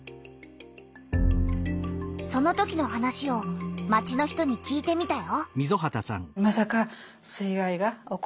そのときの話を町の人に聞いてみたよ。